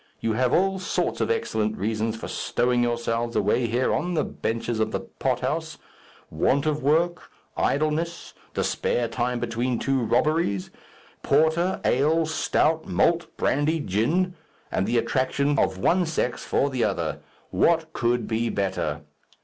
You have all sorts of excellent reasons for stowing yourselves away here on the benches of the pothouse want of work, idleness, the spare time between two robberies, porter, ale, stout, malt, brandy, gin, and the attraction of one sex for the other. What could be better?